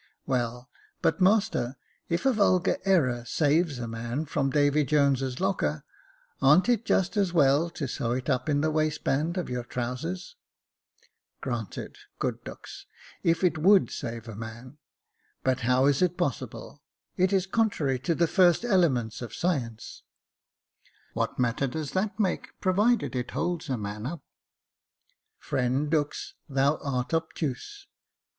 " Well, but master, if a vulgar error saves a man from Davy Jones's locker, ar'n't it just as well to sew it up in the waistband of your trousers .''"" Granted, good Dux , if it would save a man ; but how is it possible ? it is contrary to the first elements of science." " What matter does that make, provided it holds a man up ?"" Friend Dux, thou art obtuse."